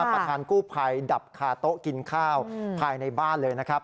ประธานกู้ภัยดับคาโต๊ะกินข้าวภายในบ้านเลยนะครับ